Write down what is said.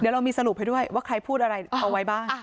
เดี๋ยวเรามีสรุปให้ด้วยว่าใครพูดอะไรเอาไว้บ้าง